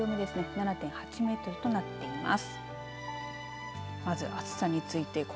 ７．８メートルとなっています。